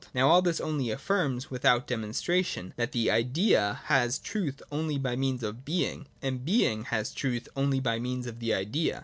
Now all this only affirms, without demonstration, that the Idea has truth only by means of being, and being has truth only by means of the Idea.